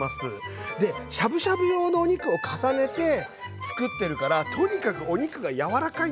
でしゃぶしゃぶ用のお肉を重ねてつくってるからとにかくお肉が柔らかいんです。